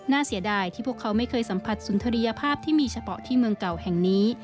เสียดายที่พวกเขาไม่เคยสัมผัสสุนทรียภาพที่มีเฉพาะที่เมืองเก่าแห่งนี้